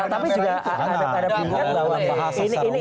tapi juga ada pihak lawan bahasa seluruh dunia